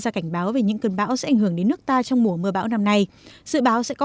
ra cảnh báo về những cơn bão sẽ ảnh hưởng đến nước ta trong mùa mưa bão năm nay dự báo sẽ có